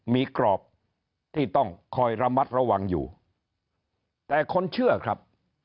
มีกรอบที่ต้องคอยระมัดระวังอยู่แต่คนเชื่อครับ